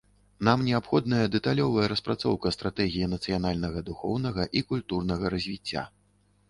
Нам неабходная дэталёвая распрацоўка стратэгіі нацыянальнага духоўнага і культурнага развіцця.